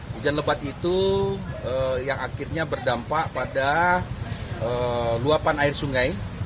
hujan lebat itu yang akhirnya berdampak pada luapan air sungai